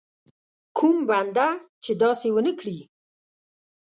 کوم بنده چې داسې ونه کړي.